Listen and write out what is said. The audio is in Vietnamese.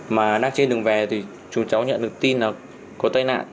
mà đang trên đường về thì chúng chó nhận được tin là có tai nạn